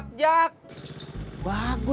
tak ada ko